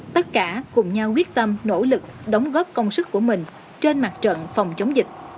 tất cả cùng nhau quyết tâm nỗ lực đóng góp công sức của mình trên mặt trận phòng chống dịch